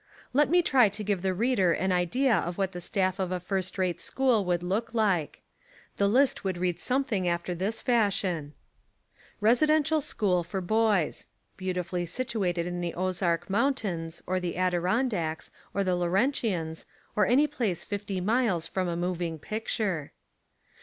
Let me try to give the reader an idea of what the staff of a first rate school would look like. The list would read something after this fash ion: RESIDENTIAL SCHOOL FOR BOYS {Beautifully situated in the Ozark Mountains, or the Adirondacks, or the Laurentians, or any place fifty miles from a moving picture.)